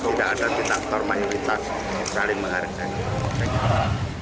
tidak ada detektor mayoritas saling menghargai